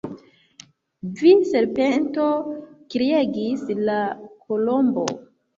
"Vi serpento!" kriegis la Kolombo.